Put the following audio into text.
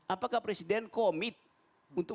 apakah presiden commit untuk